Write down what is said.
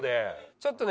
ちょっとね